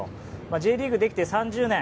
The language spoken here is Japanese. Ｊリーグ出来て３０年。